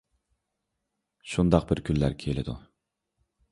شۇنداق بىر كۈنلەر كېلىدۇ.